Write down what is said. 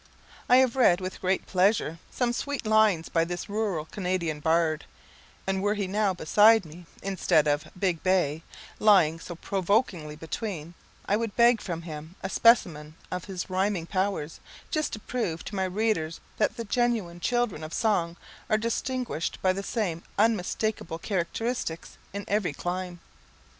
I have read with great pleasure some sweet lines by this rural Canadian bard; and were he now beside me, instead of "Big bay" lying so provokingly between, I would beg from him a specimen of his rhyming powers, just to prove to my readers that the genuine children of song are distinguished by the same unmistakeable characteristics in every clime.